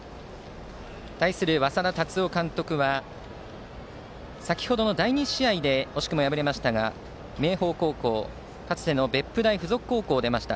対する稙田龍生監督は先程の第２試合で惜しくも敗れましたが明豊高校かつての別府大付属高校を出ました。